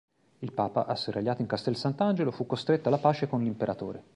Il papa, asserragliato in Castel Sant'Angelo, fu costretto alla pace con l'imperatore.